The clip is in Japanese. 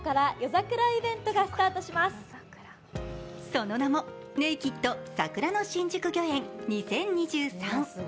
その名もＮＡＫＥＤ桜の新宿御苑２０２３。